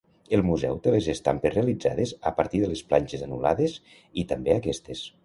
El museu té les estampes realitzades a partir de les planxes anul·lades i també aquestes.